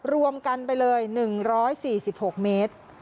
รวมกันไปเลย๑๔๖เมตร